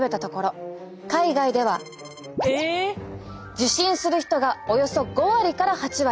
受診する人がおよそ５割から８割。